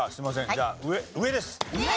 じゃあ上上です。